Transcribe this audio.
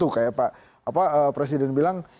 kayak presiden bilang